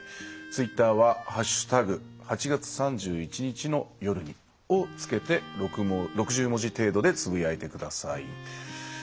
ツイッターは「＃８月３１日の夜に」を付けて６０文字程度でつぶやいてください。